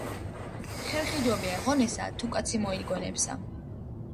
ხერხი ჯობია ღონესა, თუ კაცი მოიგონებსა.